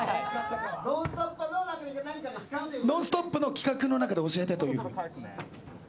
「ノンストップ！」の企画の中で教えてと。